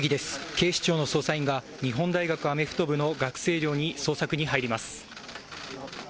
警視庁の捜査員が日本大学アメフト部の学生寮に捜索に入ります。